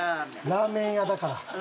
ラーメン屋だから。